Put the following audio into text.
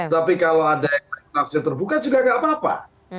tapi kalau ada yang menafsir terbuka juga nggak apa apa